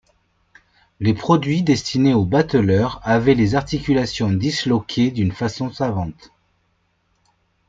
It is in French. Les produits destinés aux bateleurs avaient les articulations disloquées d’une façon savante.